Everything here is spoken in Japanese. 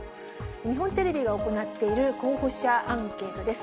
日本テレビが行っている候補者アンケートです。